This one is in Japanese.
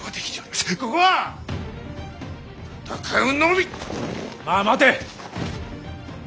まあ待て。